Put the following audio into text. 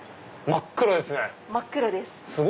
真っ黒です。